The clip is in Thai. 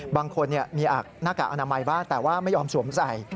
บางคนมีหน้ากากอนามัยบ้างแต่ว่าไม่ยอมสวมใส่